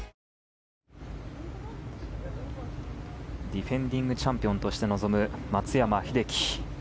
ディフェンディングチャンピオンとして臨む松山英樹。